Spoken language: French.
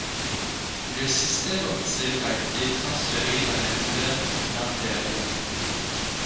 Le système optique a été transféré dans la nouvelle lanterne.